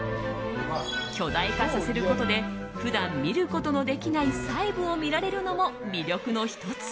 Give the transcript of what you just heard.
巨大化させることで普段見ることのできない細部を見られるのも魅力の１つ。